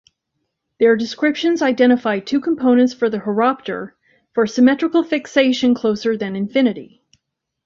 Their descriptions identified two components for the horopter for symmetrical fixation closer than infinity.